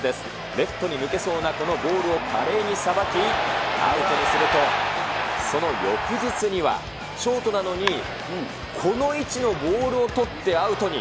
レフトに抜けそうなこのボールを華麗にさばき、アウトにすると、その翌日には、ショートなのに、この位置のボールを捕ってアウトに。